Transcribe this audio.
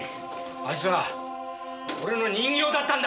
あいつは俺の人形だったんだ！